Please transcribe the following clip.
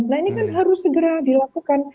nah ini kan harus segera dilakukan